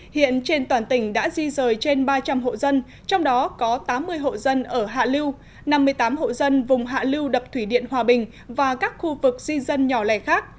hiện trên toàn tỉnh đã di rời trên ba trăm linh hộ dân trong đó có tám mươi hộ dân ở hạ lưu năm mươi tám hộ dân vùng hạ lưu đập thủy điện hòa bình và các khu vực di dân nhỏ lẻ khác